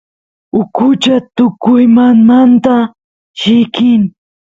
ukucha tukuymamanta llikin